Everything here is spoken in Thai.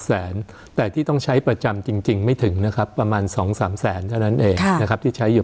สนับสนุนโดยพี่โพเพี่ยวสะอาดใสไร้คราบ